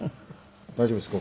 大丈夫ですか？